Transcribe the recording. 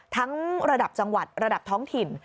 ระดับจังหวัดระดับท้องถิ่น